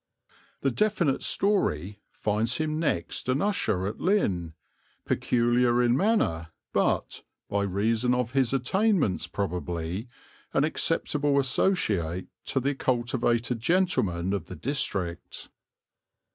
The definite story finds him next an usher at Lynn, peculiar in manner but, by reason of his attainments probably, an acceptable associate to the cultivated gentlemen of the district.